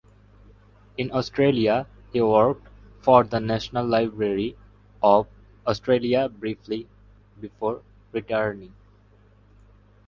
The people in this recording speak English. In Australia he worked for the National Library of Australia briefly before retiring.